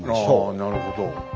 あなるほど。